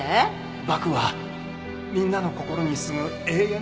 バクはみんなの心にすむ永遠の少年。